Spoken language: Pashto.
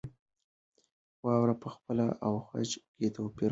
واوره په څپه او خج کې توپیر نه لري.